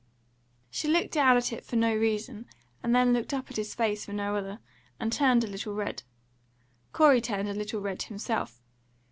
She looked down at it for no reason, and then looked up at his face for no other, and turned a little red. Corey turned a little red himself.